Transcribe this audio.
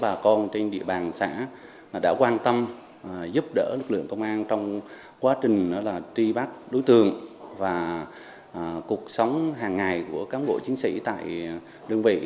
bà con trên địa bàn xã đã quan tâm giúp đỡ lực lượng công an trong quá trình truy bắt đối tượng và cuộc sống hàng ngày của cán bộ chiến sĩ tại đơn vị